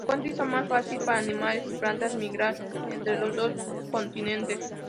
El puente hizo más fácil, para animales y plantas, migrar entre los dos continentes.